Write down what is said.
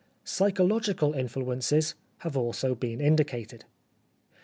Psychological influences have also been indicated.